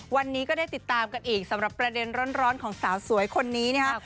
วันนี้ก็ได้ติดตามกันอีกสำหรับประเด็นร้อนของสาวสวยคนนี้นะครับ